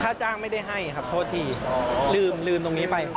จ้างไม่ได้ให้ครับโทษทีลืมลืมตรงนี้ไป